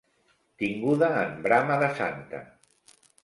Tinguda en brama de santa.